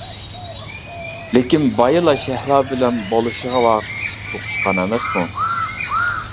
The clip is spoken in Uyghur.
لېكىن بايىلا شەھلا بىلەن بولۇشىغا ۋارقىرىشىپ سوقۇشقان ئەمەسمۇ.